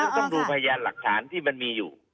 ต้องดูพยานหลักฐานที่มันมีอยู่